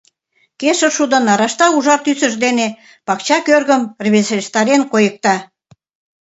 Кешыр шудо нарашта ужар тӱсыж дене пакча кӧргым рвезештарен койыкта.